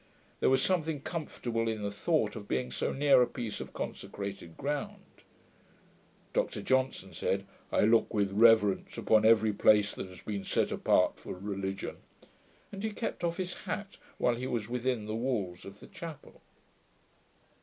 There was something comfortable in the thought of being so near a piece of consecrated ground. Dr Johnson said, 'I look with reverence upon every place that has been set apart for religion'; and he kept off his hat while he was within the walls of the chapel.